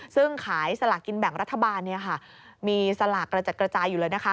ซึ่งขายสลากกินแบ่งรัฐบาลมีสลากกระจัดกระจายอยู่เลยนะคะ